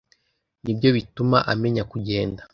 Nibyo bituma amenya kugenda,